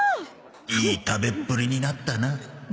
いい食べっぷりになったな